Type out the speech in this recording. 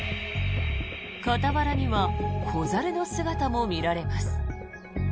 傍らには子猿の姿も見られます。